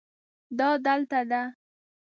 دا دلته ده